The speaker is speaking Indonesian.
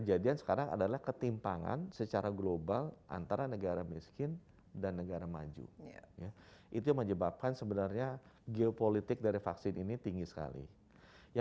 jangan lupa subscribe dan subcribe dan share ya